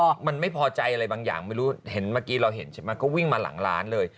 ก็มันไม่พอใจอะไรบางอย่างไม่รู้เห็นเมื่อกี้เราเห็นใช่ไหมก็วิ่งมาหลังร้านเลย